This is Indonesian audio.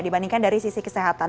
dibandingkan dari sisi kesehatan